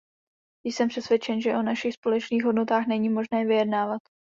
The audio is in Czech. Jsem přesvědčen, že o našich společných hodnotách není možné vyjednávat.